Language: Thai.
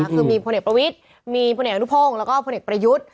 คือมีพนประวิทมีพนอาญุโภงกับพนประวิท